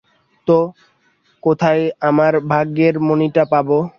তো, কোথায় আমরা ভাগ্যের মণিটা পাব?